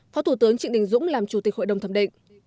phó thủ tướng trịnh đình dũng làm chủ tịch hội đồng thẩm định